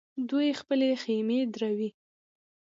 دوی خپلې خېمې دروي.